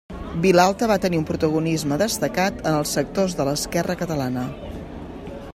Vilalta va tenir un protagonisme destacat en els sectors de l'esquerra catalana.